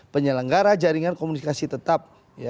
penyelenggara jaringan komunikasi tetap